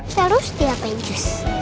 terus dilapain cus